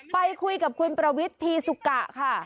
ไปคุยกับคุณประวิทธีสุกะค่ะ